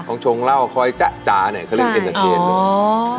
ต้องชงเล่าคอยจ๊ะจ๊ะเนี่ยเค้าเรียกเองสักเกดเลย